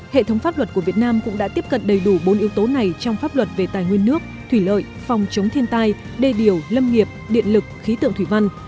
hệ thống pháp luật của việt nam cũng đã tiếp cận đầy đủ bốn yếu tố này trong pháp luật về tài nguyên nước thủy lợi phòng chống thiên tai đề điều lâm nghiệp điện lực khí tượng thủy văn